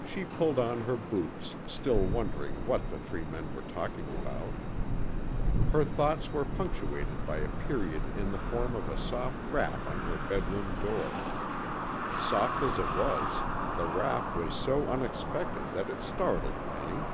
She pulled on her boots, still wondering what the three men were talking about. Her thoughts were punctuated by a period in the form of a soft rap on her bedroom door. Soft as it was, the rap was so unexpected that it startled Penny.